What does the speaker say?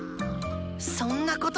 そんなこと。